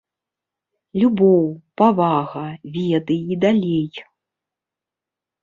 Любоў, павага, веды і далей.